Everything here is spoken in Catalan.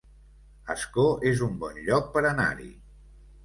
Ascó es un bon lloc per anar-hi